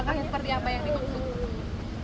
langkah seperti apa yang dibentuk